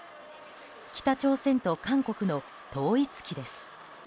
北朝鮮と韓国の統一旗です。